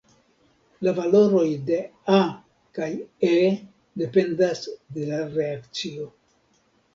La valoroj de "A" kaj "E" dependas de la reakcio.